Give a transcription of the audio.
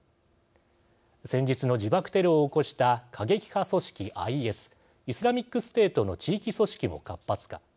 先日の自爆テロを起こした過激派組織ＩＳ＝イスラミックステートの地域組織も活発化。